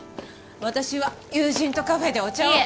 私は友人とカフェでお茶を。